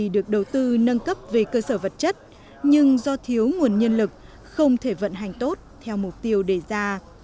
được đầu tư nâng cấp về cơ sở vật chất nhưng do thiếu nguồn nhân lực không thể vận hành tốt theo mục tiêu đề ra